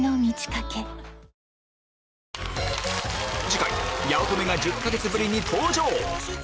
次回八乙女が１０か月ぶりに登場！